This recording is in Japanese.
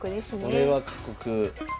これは過酷。